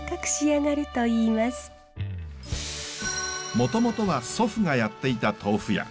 もともとは祖父がやっていた豆腐屋。